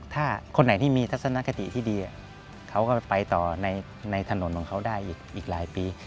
ถ้าคนไหนที่มีทัศนคติที่ดีเขาก็ไปต่อในถนนของเขาได้อีกหลายปี